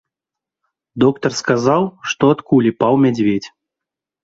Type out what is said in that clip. Доктар сказаў, што ад кулі паў мядзведзь.